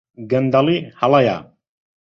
گەندەڵی هەڵەیە.